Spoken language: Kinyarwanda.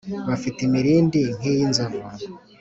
bafite imirindi nki yi nzovu